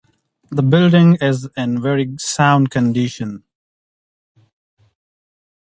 The building is in very sound condition.